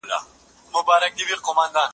فعالیت د خېټې د وړولو مهم لامل دی.